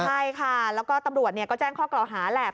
ใช่ค่ะแล้วก็ตำรวจก็แจ้งข้อกล่าวหาแหละ